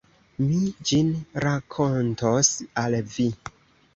Mi ĝin rakontos al vi.